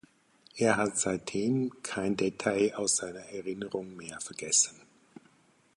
Er hat seitdem kein Detail aus seiner Erinnerung mehr vergessen.